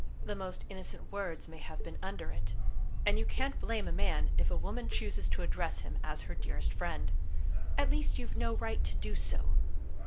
"The most innocent words may have been under it. And you can't blame a man if a woman chooses to address him as her 'dearest friend'. At least you've no right to do so."